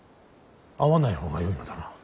会わない方がよいのだな。